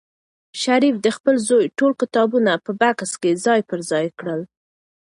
شریف د خپل زوی ټول کتابونه په بکس کې ځای پر ځای کړل.